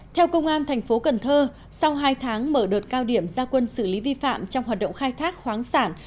theo công an tp cn sau hai tháng mở đột cao điểm gia quân xử lý vi phạm trong hoạt động khai thác khoáng sản